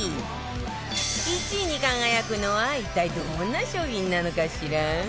１位に輝くのは一体どんな商品なのかしら？